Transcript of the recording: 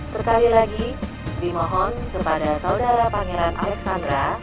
sekali lagi dimohon kepada saudara pangeran alexandra